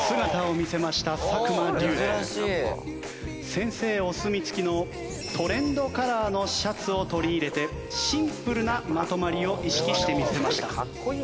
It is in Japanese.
先生お墨付きのトレンドカラーのシャツを取り入れてシンプルなまとまりを意識してみせました。